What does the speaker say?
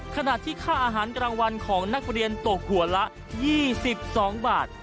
ขณะที่ค่าอาหารกลางวันของนักเรียนตกหัวละ๒๒บาท